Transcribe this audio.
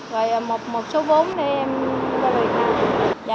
rồi một số vốn để em đưa về nhà